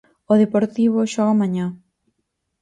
O Deportivo xoga mañá.